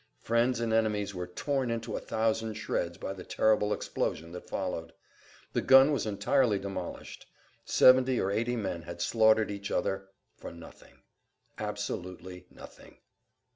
Friends and enemies were torn into a thousand shreds by the terrible explosion that followed. The gun was entirely demolished. Seventy or eighty men had slaughtered each other for nothing—absolutely nothing.